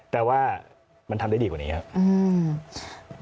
แต่ว่ามันทำได้ดีกว่านี้ครับ